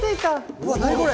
うわ何これ？